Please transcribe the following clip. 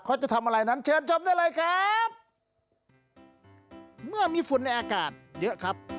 เขาจะทำอะไรนั้นเชิญชมได้เลยครับเมื่อมีฝุ่นในอากาศเยอะครับ